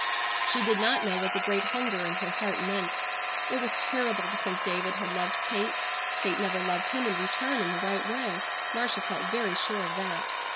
She did not know what the great hunger in her heart meant. It was terrible to think David had loved Kate. Kate never loved him in return in the right way. Marcia felt very sure of that.